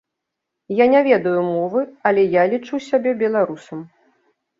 Я не ведаю мовы, але я лічу сябе беларусам.